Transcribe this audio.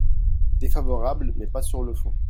Défavorable, mais pas sur le fond.